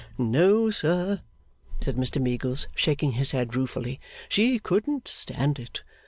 'No, sir,' said Mr Meagles, shaking his head ruefully. 'She couldn't stand it.